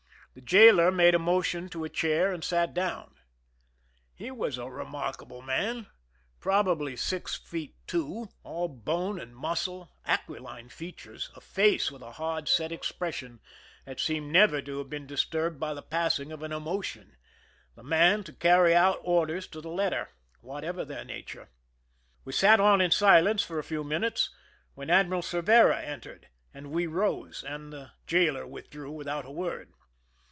The jailer made a motion to a chair, and we sat down. He was a remarkable man,— probably six feet two, all bone 144 IMPEISONMENT IN MOREO CASTLE and muscle, aquiline features, a face with a hard, set expression, that seemed never to have been dis turbed by the passing of an emotion,— the man to carry out orders to the letter, whatever their nature. We sat on in silence for a few minutes, when Ad miral Corvera entered, and we rose, and the jailer withdrew without a word.